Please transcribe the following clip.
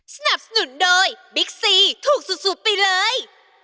สนับสนุนโดยบิ๊กซีถูกสุดไปเลย